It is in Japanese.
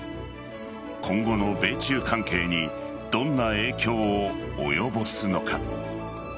今後の米中関係にどんな影響を及ぼすのか。